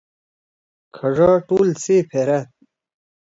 کھڙا ٹول سِے پھیرأد۔